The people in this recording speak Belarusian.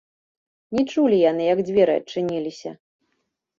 Не чулі яны, як дзверы адчыніліся.